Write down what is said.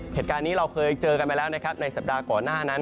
เหตุการณ์นี้เราเคยเจอกันไปแล้วนะครับในสัปดาห์ก่อนหน้านั้น